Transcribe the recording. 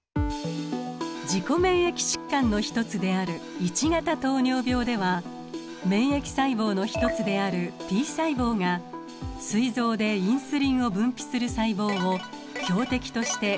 自己免疫疾患の一つである１型糖尿病では免疫細胞の一つであるＴ細胞がすい臓でインスリンを分泌する細胞を標的として攻撃してしまいます。